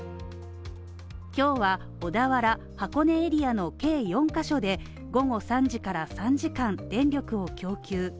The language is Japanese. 今日は小田原・箱根エリアの計４カ所で午後３時から３時間、電力を供給。